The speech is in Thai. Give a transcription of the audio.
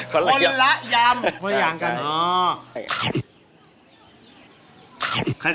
คนละยำ